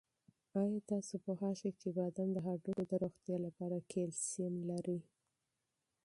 آیا تاسو پوهېږئ چې بادام د هډوکو د روغتیا لپاره کلسیم لري؟